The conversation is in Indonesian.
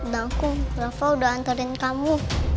nangkung rafa udah anterin kamu